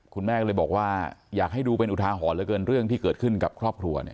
คุณแม่ก็เลยบอกว่าอยากให้ดูเป็นอุทาหรณ์เหลือเกินเรื่องที่เกิดขึ้นกับครอบครัวเนี่ย